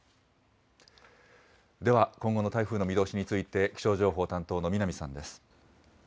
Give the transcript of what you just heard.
では今後の台風の見通しについて、気象情報担当の南さんです。